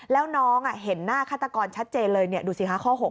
แล้วน้องเห็นหน้าฆาตกรชัดเจนเลยดูสิคะข้อ๖